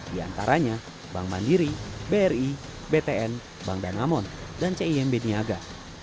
di antaranya bank mandiri bri btn bank danamon dan cimb niaga